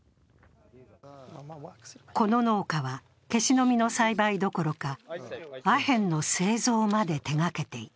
この農家は、ケシの実の栽培どころかアヘンの製造まで手がけていた。